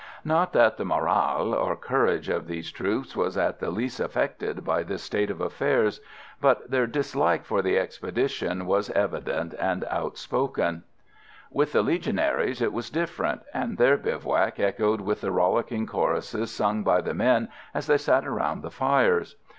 Not that the morale or courage of these troops was in the least affected by this state of things, but their dislike for the expedition was evident and outspoken. With the Legionaries it was different, and their bivouac echoed with the rollicking choruses sung by the men as they sat around the fires.